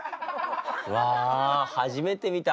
うわ初めて見た。